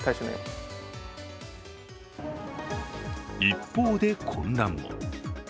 一方で、混乱も。